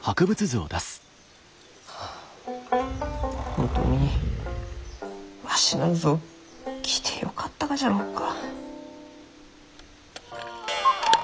本当にわしなんぞ来てよかったがじゃろうか。